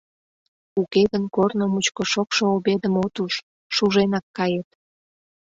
Уке гын корно мучко шокшо обедым от уж, шуженак кает.